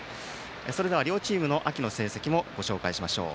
それでは両チームの秋の成績をご紹介します。